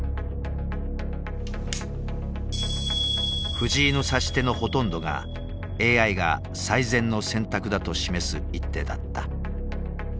藤井の指し手のほとんどがＡＩが最善の選択だと示す一手だった。